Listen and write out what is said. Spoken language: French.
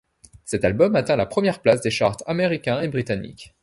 Cet album atteint la première place des charts américains et britanniques.